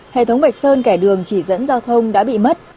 hệ thống vạch sơn kẻ đường chỉ dẫn giao thông đã bị mất